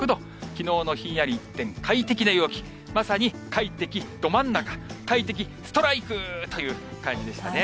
きのうのひんやり一転、快適な陽気、まさに快適ど真ん中、快適ストライクという感じでしたね。